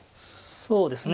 そうですね。